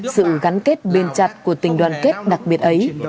sự gắn kết bền chặt của tình đoàn kết đặc biệt ấy